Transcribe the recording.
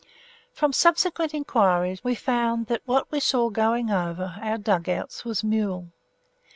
From subsequent inquiries we found that what we saw going over our dug outs was Mule!